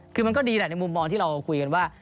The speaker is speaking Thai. คือมันก็ดีแหละในมุมมองที่เราคุยกันว่า